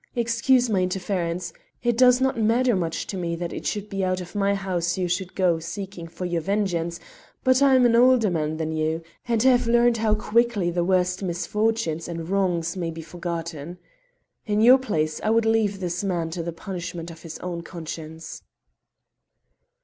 Excuse my interference. It does not matter much to me that it should be out of my house you should go seeking for your vengeance, but I'm an older man than you, and have learned how quickly the worst misfortunes and wrongs may be forgotten. In your place I would leave this man to the punishment of his own conscience."